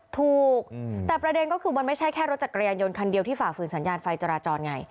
ถูกแต่ประเด็นก็คือมันไม่ใช่แค่รถจักรยานยนต์คันเดียวที่ฝ่าฝืนสัญญาณไฟจราจรไง